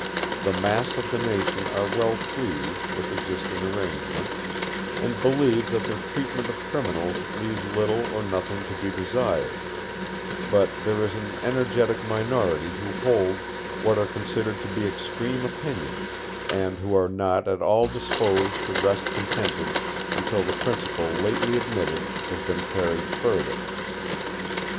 The mass of the nation are well pleased with existing arrangements, and believe that their treatment of criminals leaves little or nothing to be desired; but there is an energetic minority who hold what are considered to be extreme opinions, and who are not at all disposed to rest contented until the principle lately admitted has been carried further.